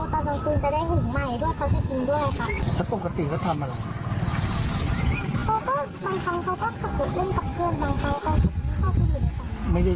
คือชื่อชื่อเขาก็บอกว่าเอองั้นตอนดึกดึกเดี๋ยวมาหนูก็บอกว่าไปกินให้เสร็จเสร็จเลย